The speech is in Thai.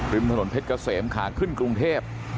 ริมถนนเพชรเกษมขาขึ้นกรุงเทพ